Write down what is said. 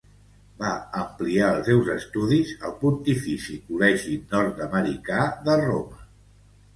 Va ampliar els seus estudis al Pontifici Col·legi Nord-americà de Roma.